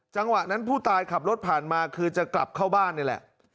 จังหวะนั้นผู้ตายขับรถผ่านมาคือจะกลับเข้าบ้านนี่แหละ